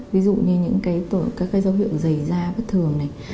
ví dụ như những cái dấu hiệu dày da bất thường này